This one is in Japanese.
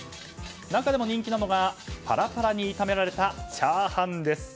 中でも人気なのがパラパラに炒められたチャーハンです。